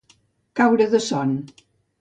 Caure de son.